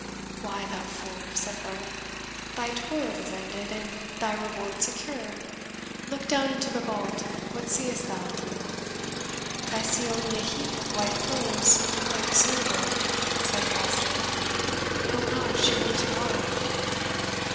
"Why, thou fool," said Varney, "thy toil is ended, and thy reward secure. Look down into the vault what seest thou?" "I see only a heap of white clothes, like a snowdrift," said Foster. "O God, she moves her arm!"